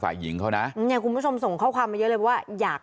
ฝ่ายหญิงเขานะเนี่ยคุณผู้ชมส่งข้อความมาเยอะเลยว่าอยาก